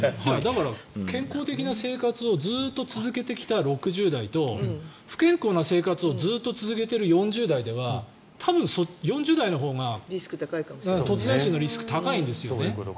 だから健康的な生活をずっと続けてきた６０代の方と不健康な生活をずっと続けている４０代では多分、４０代のほうが突然死のリスク高いんですよね。